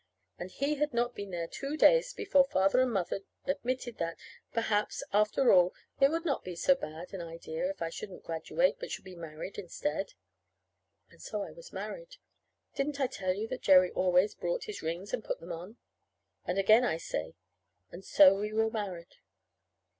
And he had not been there two days before Father and Mother admitted that, perhaps, after all, it would not be so bad an idea if I shouldn't graduate, but should be married instead. And so I was married. (Didn't I tell you that Jerry always brought his rings and put them on?) And again I say, and so we were married.